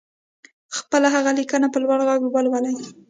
خپله هغه ليکنه په لوړ غږ ولولئ.